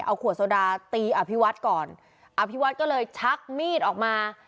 เอาขวดโซดาตีอภิวัฒน์ก่อนอภิวัฒน์ก็เลยชักมีดออกมา